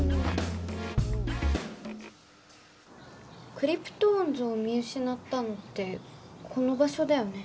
クリプトオンズを見うしなったのってこの場所だよね。